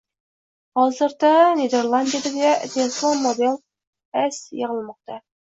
Hozirda Niderlandiyada Tesla Model S yig‘ilmoqda.